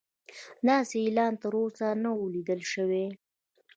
داسې اعلان تر اوسه نه و لیدل شوی.